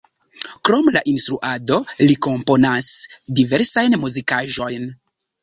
Krom la instruado li komponas diversajn muzikaĵojn.